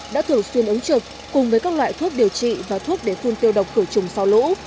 đã thường xuyên ứng trực cùng với các loại thuốc điều trị và thuốc để phun tiêu độc khử trùng sau lũ